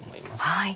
はい。